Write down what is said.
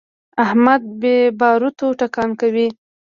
احمد بې باروتو ټکان کوي.